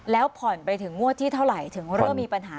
แล้วผ่อนไปถึงงวดที่เท่าไหร่ถึงเริ่มมีปัญหา